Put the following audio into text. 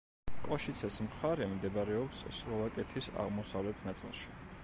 კოშიცეს მხარე მდებარეობს სლოვაკეთის აღმოსავლეთ ნაწილში.